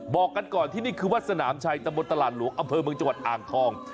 บอกกันก่อนที่นี่คือวัดสนามชัยตะบนตลาดหลวงอำเภอเมืองจังหวัดอ่างทอง